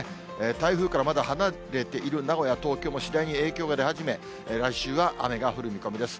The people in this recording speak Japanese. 台風からまだ離れている名古屋、東京も次第に影響が出始め、来週は雨が降る見込みです。